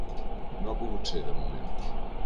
No ha pogut ser, de moment.